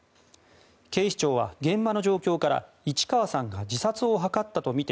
警視庁は現場の状況から市川さんが自殺を図ったとみて